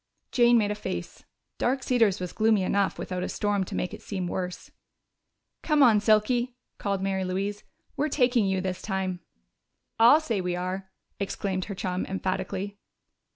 Jane made a face. Dark Cedars was gloomy enough without a storm to make it seem worse. "Come on, Silky!" called Mary Louise. "We're taking you this time." "I'll say we are!" exclaimed her chum emphatically.